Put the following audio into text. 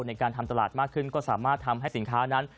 ในการทำตลาดมากขึ้นก็สามารถทำให้สินค้านั้น